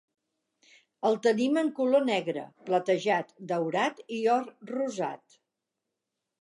El tenim en color negre, platejat, daurat, i or rosat.